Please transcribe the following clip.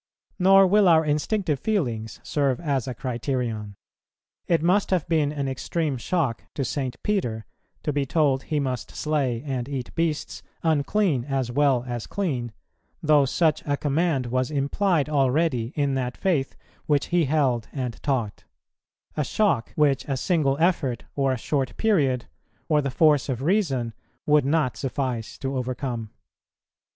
Nor will our instinctive feelings serve as a criterion. It must have been an extreme shock to St. Peter to be told he must slay and eat beasts, unclean as well as clean, though such a command was implied already in that faith which he held and taught; a shock, which a single effort, or a short period, or the force of reason would not suffice to overcome.